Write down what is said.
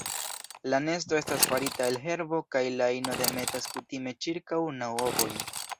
La nesto estas farita el herbo kaj la ino demetas kutime ĉirkaŭ naŭ ovojn.